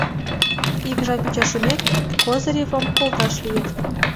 Ик жап ӱчашымек, Козыревым колташ лийыт.